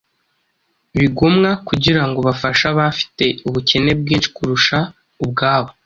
bigomwa kugira ngo bafashe abafite ubukene bwinshi kurusha ubwabo.